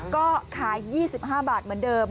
ก็ขาย๒๕บาทเหมือนเดิม